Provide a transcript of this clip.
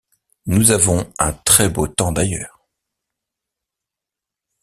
Nous avons un très beau temps d’ailleurs.